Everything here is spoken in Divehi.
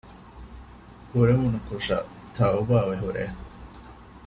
ކުރެވުނު ކުށަށް ތަޢުބާވެހުރޭ